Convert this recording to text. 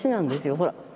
ほら。